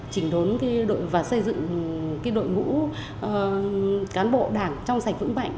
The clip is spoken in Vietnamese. chỉnh đốn và xây dựng đội ngũ cán bộ đảng trong sạch vững mạnh